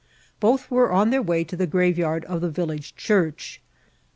Both were on their way to the graveyard of the village church.